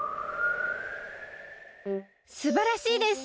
すばらしいです！